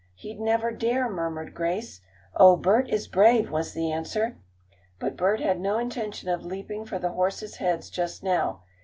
"He'd never dare!" murmured Grace. "Oh, Bert is brave," was the answer. But Bert had no intention of leaping for the horses' heads just now.